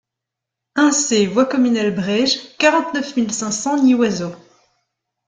un C voie Communale Bréges, quarante-neuf mille cinq cents Nyoiseau